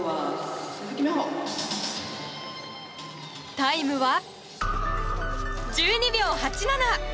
タイムは、１２秒８７！